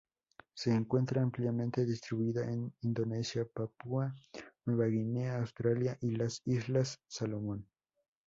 Se encuentra ampliamente distribuida en Indonesia, Papúa Nueva Guinea, Australia y las islas Salomón.